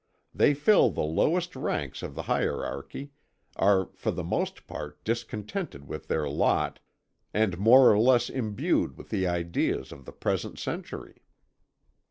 They fill the lowest ranks of the hierarchy, are for the most part discontented with their lot, and more or less imbued with the ideas of the present century."